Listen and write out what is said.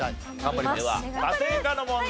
それでは家庭科の問題。